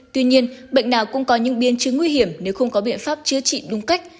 tuy nhiên bệnh nào cũng có những biên chứng nguy hiểm nếu không có biện pháp chữa trị đúng cách